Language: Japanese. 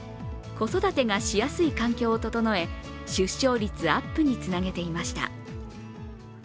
子育てがしやすい環境を整え、出生率アップにつなげていました。